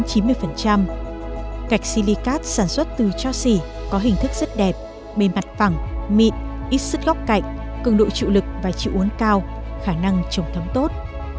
gạch silicate sản xuất từ cho xỉ có hình thức rất đẹp mềm mặt phẳng mịn ít sứt góc cạnh cường độ chịu lực và chịu uốn cao khả năng trông thấm tốt